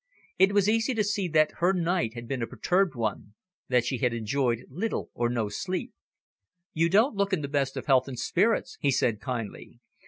It was easy to see that her night had been a perturbed one, that she had enjoyed little or no sleep. "You don't look in the best of health and spirits," he said kindly.